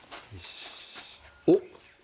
おっ！